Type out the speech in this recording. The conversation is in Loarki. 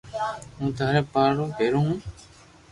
ھون ٿارو ڀآرو ھون